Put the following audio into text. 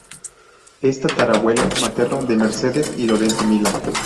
Es tatarabuelo materno de Mercedes y Lorenzo Milá.